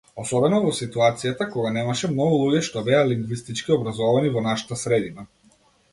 Особено во ситуацијата кога немаше многу луѓе што беа лингвистички образовани во нашата средина.